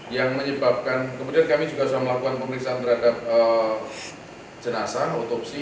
yang menyebabkan kemudian kami juga sudah melakukan pemeriksaan terhadap jenazah otopsi